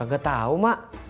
gak tau ma